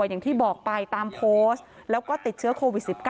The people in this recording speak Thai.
อย่างที่บอกไปตามโพสต์แล้วก็ติดเชื้อโควิด๑๙